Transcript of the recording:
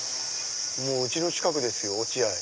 うちの近くですよ落合。